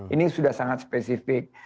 ini sudah sangat spesifik